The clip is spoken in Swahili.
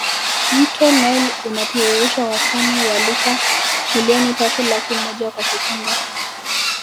mto nile unatiririsha wastani wa lita milioni tatu laki moja kwa sekunde